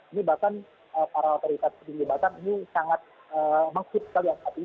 ini bahkan para otoritas penyelidikan ini sangat mengkipkal yang tadi